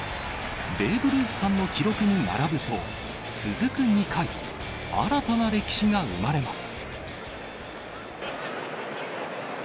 ベーブ・ルースさんの記録に並ぶと、続く２回、新たな歴史が生まれます。